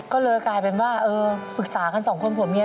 ก็เลยกลายเป็นว่าเออปรึกษากันสองคนผัวเมีย